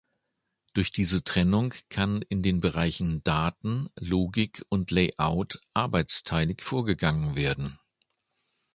Durch diese Trennung kann in den Bereichen Daten, Logik und Layout arbeitsteilig vorgegangen werden.